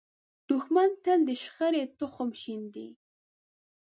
دښمن تل د شخړې تخم شیندي